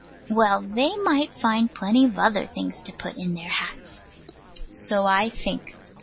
Well they might find plenty of other things to put in their hats. So I think.